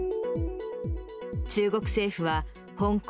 中国政府は香港、